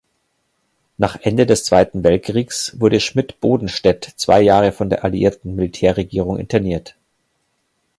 Nach Ende des Zweiten Weltkriegs wurde Schmidt-Bodenstedt zwei Jahre von der alliierten Militärregierung interniert.